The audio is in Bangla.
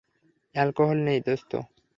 অ্যালকোহল নেই, দোস্ত।